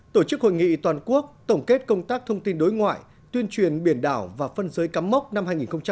tổ chức hội nghị toàn quốc tổng kết công tác thông tin đối ngoại tuyên truyền biển đảo và phân giới cắm mốc năm hai nghìn một mươi chín